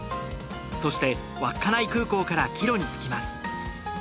そして稚内空港から帰路に着きます。